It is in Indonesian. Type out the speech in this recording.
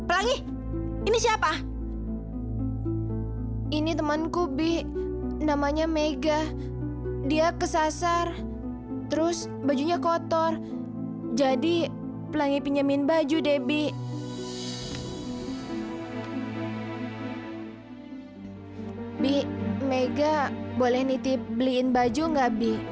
sampai jumpa di video selanjutnya